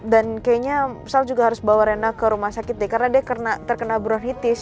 dan kayaknya sal juga harus bawa rena ke rumah sakit deh karena dia terkena bronitis